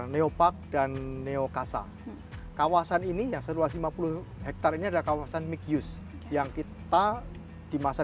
neopark dan neokasa kawasan ini yang seluas lima puluh hektar ini ada kawasan make use yang kita di masa